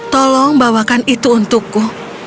tolong bawakan itu untukku